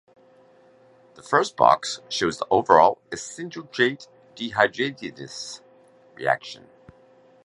The first box shows the overall isocitrate dehydrogenase reaction.